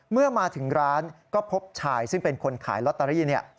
เมื่อมาถึงร้านก็พบชายซึ่งเป็นคนขายลอตเตอรี่